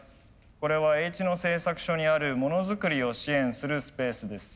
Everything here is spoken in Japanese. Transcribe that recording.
これはＨ野製作所にあるモノづくりを支援するスペースです。